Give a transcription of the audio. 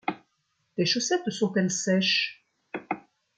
Tes chaussettes sont-elles sèches ?